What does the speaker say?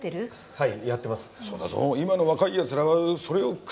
はい。